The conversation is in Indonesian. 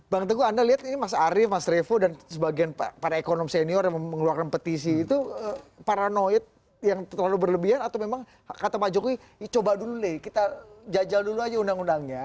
bang teguh anda lihat ini mas arief mas revo dan sebagian para ekonom senior yang mengeluarkan petisi itu paranoid yang terlalu berlebihan atau memang kata pak jokowi coba dulu deh kita jajal dulu aja undang undangnya